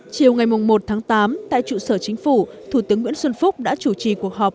chiều ngày một tháng tám tại trụ sở chính phủ thủ tướng nguyễn xuân phúc đã chủ trì cuộc họp